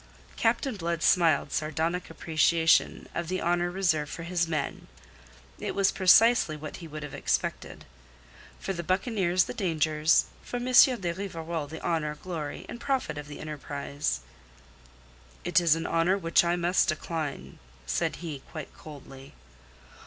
Captain Blood smiled sardonic appreciation of the honour reserved for his men. It was precisely what he would have expected. For the buccaneers the dangers; for M. de Rivarol the honour, glory and profit of the enterprise. "It is an honour which I must decline," said he quite coldly.